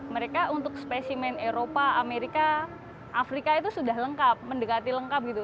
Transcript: mereka untuk spesimen eropa amerika afrika itu sudah lengkap mendekati lengkap gitu